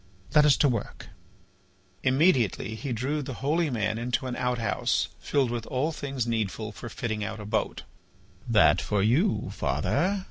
Let us to work." Immediately he drew the holy man into an outhouse filled with all things needful for fitting out a boat. "That for you, father!"